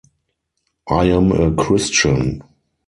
I am a christian.